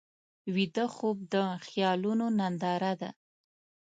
ویده خوب د خیالونو ننداره ده